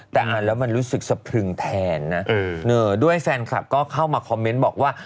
แต่อ่านแล้วมันรู้สึกสะพรึงแทนนะด้วยแฟนคลับก็เข้ามาคอมเมนต์บอกว่า